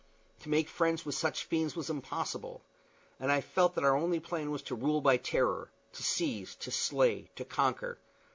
To make friends with such fiends was impossible, and I felt sure that our only plan was to rule by terror to seize, to slay, to conquer.